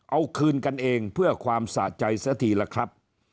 เอาคืนกันเองเพื่อความสะใจเสียทีละครับ